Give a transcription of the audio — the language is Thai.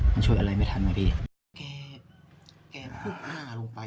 มันช่วยอะไรไม่ทันไหมพี่